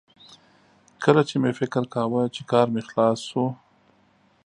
کله چې مې فکر کاوه چې کار مې خلاص شو